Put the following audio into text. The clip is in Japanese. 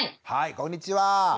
こんにちは。